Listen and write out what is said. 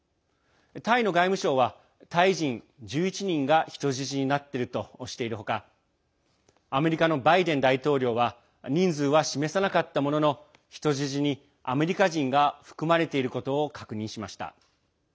タイの外務省は、タイ人１１人が人質になっているとしている他アメリカのバイデン大統領は人数は示さなかったものの人質にアメリカ人が含まれていることを確認しました。